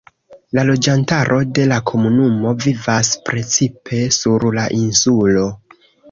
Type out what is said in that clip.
La loĝantaro de la komunumo vivas precipe sur la insulo.